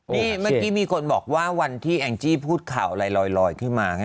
นี่เมื่อกี้มีคนบอกว่าวันที่แองจี้พูดข่าวอะไรลอยขึ้นมา